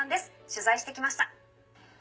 取材して来ました。